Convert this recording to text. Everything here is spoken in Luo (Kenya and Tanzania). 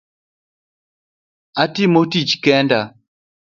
Atimo tich kenda